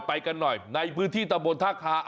ไปกันหน่อยในพื้นที่ตะบนท่าคา